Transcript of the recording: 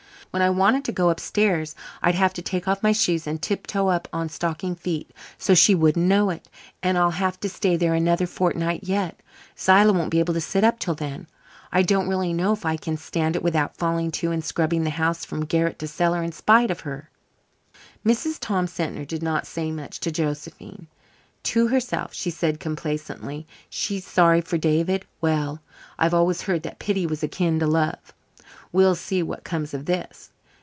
When I wanted to go upstairs I'd have to take off my shoes and tiptoe up on my stocking feet, so's she wouldn't know it. And I'll have to stay there another fortnight yet. Zillah won't be able to sit up till then. I don't really know if I can stand it without falling to and scrubbing the house from garret to cellar in spite of her." Mrs. Tom Sentner did not say much to Josephine. To herself she said complacently: "She's sorry for David. Well, I've always heard that pity was akin to love. We'll see what comes of this."